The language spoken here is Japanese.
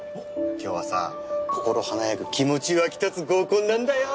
今日はさ心華やぐ気持ち沸き立つ合コンなんだよ！